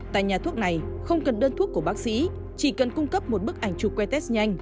tại nhà thuốc này không cần đơn thuốc của bác sĩ chỉ cần cung cấp một bức ảnh chụp quay test nhanh